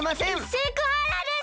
セクハラです！